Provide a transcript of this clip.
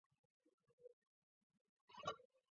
他职业生涯里大多数时间是在南美洲度过。